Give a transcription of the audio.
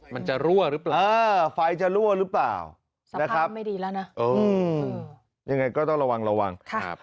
มันจะรั่วหรือเปล่าฟ้ายจะรั่วหรือเปล่าสภาพไม่ดีแล้วนะยังไงก็ต้องระวัง